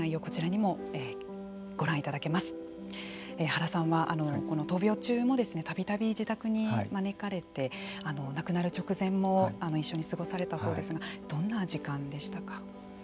原さんはこの闘病中もたびたび自宅に招かれて亡くなる直前も一緒に過ごされたそうですがどんな時間でしたか。